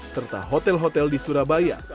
serta hotel hotel di surabaya